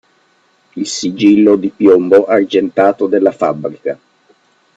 Il sigillo di piombo argentato della fabbrica.